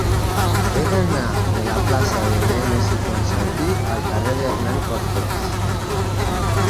He d'anar de la plaça de Nemesi Ponsati al carrer d'Hernán Cortés.